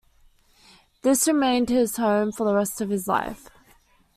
This remained his home of the rest of his life.